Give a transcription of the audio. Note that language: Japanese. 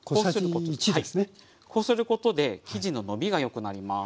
こうすることで生地ののびがよくなります。